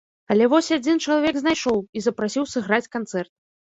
Але вось адзін чалавек знайшоў, і запрасіў сыграць канцэрт.